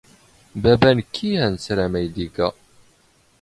ⴱⴰⴱⴰ ⵏⴽⴽⵉ ⴰⵏⵙⵔⴰⵎ ⴰⵢⴷ ⵉⴳⴰ.